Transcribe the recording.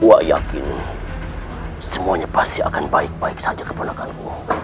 aku yakin semuanya pasti akan baik baik saja kepada aku